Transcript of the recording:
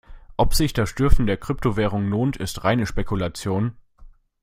Ob sich das Schürfen der Kryptowährung lohnt, ist reine Spekulation.